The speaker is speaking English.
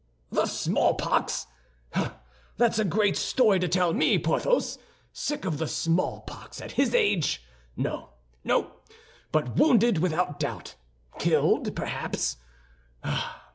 "The smallpox! That's a great story to tell me, Porthos! Sick of the smallpox at his age! No, no; but wounded without doubt, killed, perhaps.